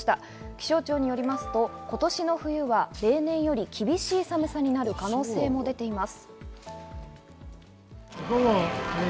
気象庁によりますと、今年の冬は例年より厳しい寒さになる可能性も出ています。